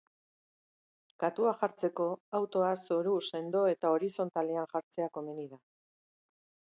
Katua jartzeko, autoa zoru sendo eta horizonatalean jartzea komeni da.